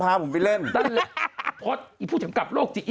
พอเลยนะขึ้นไปเลยนะจิ๊บจี้